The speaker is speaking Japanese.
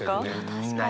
確かに。